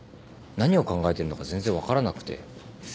何を考えてるのか全然分からなくて。